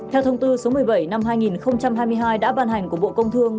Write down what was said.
theo thông tư số một mươi bảy năm hai nghìn hai mươi hai đã ban hành của bộ công thương